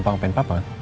lu dari siap saja abang